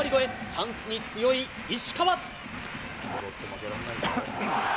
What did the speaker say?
チャンスに強い石川。